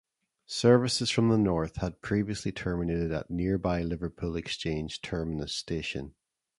Services from the north had previously terminated at nearby Liverpool Exchange terminus station.